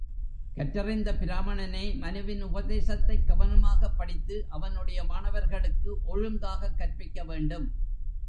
கற்றறிந்த பிராமணனே மனுவின் உபதேசத்தைக் கவனமாகப் படித்து அவனுடைய மாணவர்களுக்கு ஒழுங்காகக் கற்பிக்க வேண்டும்.